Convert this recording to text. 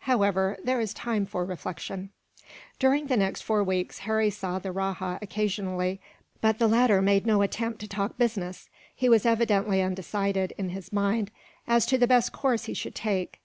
However, there is time for reflection." During the next four weeks, Harry saw the rajah occasionally; but the latter made no attempt to talk business. He was evidently undecided, in his mind, as to the best course he should take.